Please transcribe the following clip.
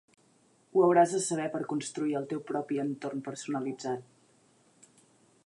Ho hauràs de saber per construir el teu propi entorn personalitzat.